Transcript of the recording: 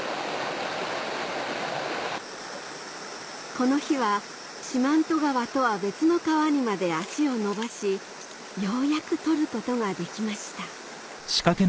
この日は四万十川とは別の川にまで足を延ばしようやく捕ることができました